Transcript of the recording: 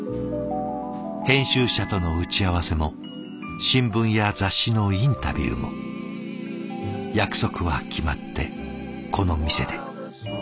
編集者との打ち合わせも新聞や雑誌のインタビューも約束は決まってこの店で。